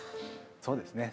そうですね。